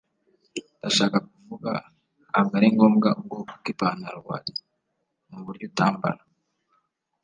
Ndashaka kuvuga, ntabwo ari ngombwa ubwoko bw'ipantaro wari; ni uburyo ubambara. ”